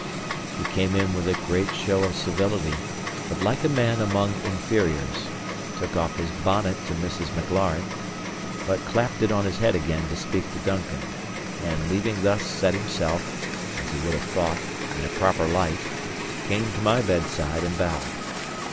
He came in with a great show of civility, but like a man among inferiors; took off his bonnet to Mrs. Maclaren, but clapped it on his head again to speak to Duncan; and having thus set himself (as he would have thought) in a proper light, came to my bedside and bowed.